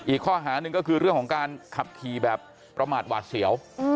อีกข้อหาหนึ่งก็คือเรื่องของการขับขี่แบบประมาทหวาดเสียว